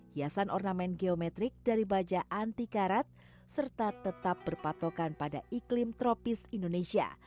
hiasan ornamen geometrik dari baja anti karat serta tetap berpatokan pada iklim tropis indonesia